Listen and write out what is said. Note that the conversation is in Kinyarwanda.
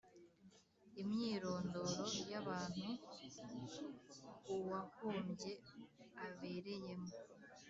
Imyirondoro y abantu uwahombye abereyemo